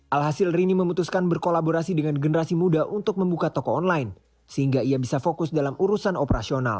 alhasil rini memutuskan berkolaborasi dengan generasi muda untuk membuka toko online sehingga ia bisa fokus dalam urusan operasional